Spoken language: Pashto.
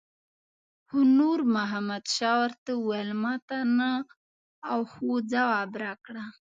خو نور محمد شاه ورته وویل ماته نه او هو ځواب راکړه.